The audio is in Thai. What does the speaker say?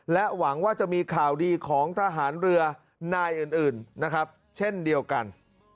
หวังว่าจะมีข่าวดีของทหารเรือนายอื่นนะครับเช่นเดียวกัน